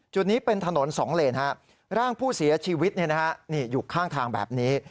จุดนี้เป็นถนน๒เลนร่างผู้เสียชีวิตอยู่ข้างทางแบบนี้